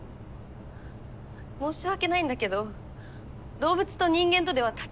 申し訳ないんだけど動物と人間とでは立場が違う。